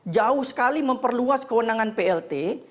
jauh sekali memperluas kewenangan plt